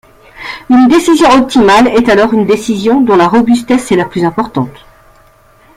Une décision optimale est alors une décision dont la robustesse est la plus importante.